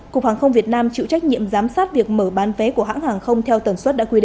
cục hàng không việt nam chịu trách nhiệm giám sát việc mở bán vé của hãng hàng không theo tần suất đã quy định